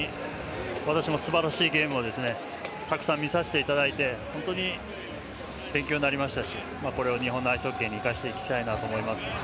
私もすばらしいゲームをたくさん見させていただいて勉強になりましたしこれを日本のアイスホッケーに生かしていきたいと思います。